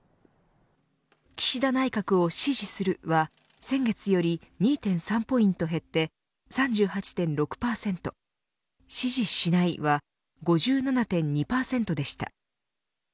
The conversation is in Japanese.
岸田内閣を支持するは先月より２．３ポイント減って３８．６％支持しないは５７．２％でした。